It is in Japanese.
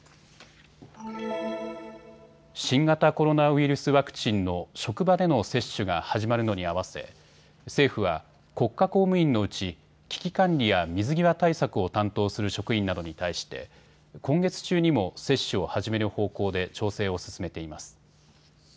新型コロナウイルスワクチンの職場での接種が始まるのに合わせ、政府は国家公務員のうち危機管理や水際対策を担当する職員などに対して今月中にも接種を始める方向で調整を進めています。